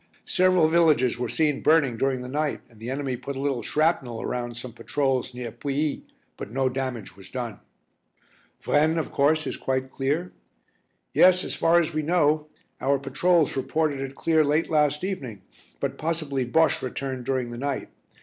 "Several villages were seen burning during the night and the enemy put a little shrapnel around some patrols near Pouilly, but no damage was done." "Vraignes, of course, is quite clear?" "Yes, as far as we know. Our patrols reported it clear late last evening, but possibly Bosche returned during the night.